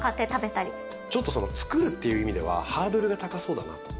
ちょっとそのつくるっていう意味ではハードルが高そうだなと。